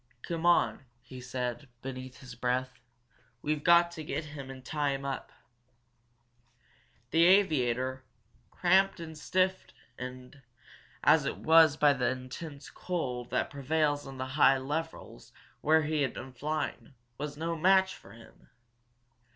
"Come on," he said, beneath his breath. "We've got to get him and tie him up." The aviator, cramped and stiffened as he was by the intense cold that prevails in the high levels where he had been flying, was no match for them.